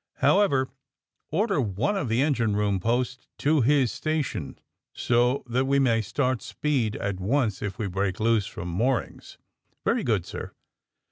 However, order one of tlie en gine room post to his station so that we may start speed at once if we break loose from moor ings, '''^ Very good, sir.